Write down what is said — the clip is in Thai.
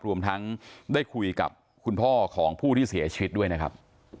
รวมทั้งได้คุยกับคุณพ่อของผู้ที่เสียชีวิตด้วยนะครับ